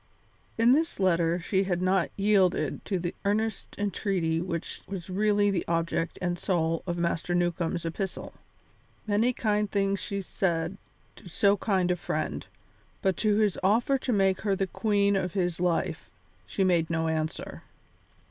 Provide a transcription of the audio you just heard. In this letter she had not yielded to the earnest entreaty which was really the object and soul of Master Newcombe's epistle. Many kind things she said to so kind a friend, but to his offer to make her the queen of his life she made no answer.